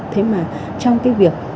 thế mà trong việc